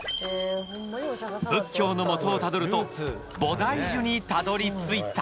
仏教のモトをタドルと菩提樹にたどり着いた。